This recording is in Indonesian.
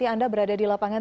anda berada di lapangan